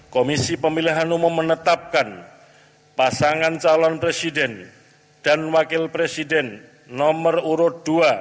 komisi pemilihan umum menetapkan pasangan calon presiden dan wakil presiden nomor urut dua